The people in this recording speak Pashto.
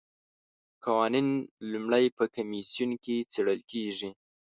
قوانین لومړی په کمیسیون کې څیړل کیږي.